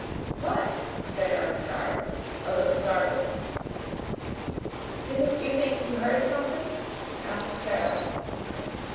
"What?" said Ermengarde, a little startled. "Didn't you think you heard something?" asked Sara.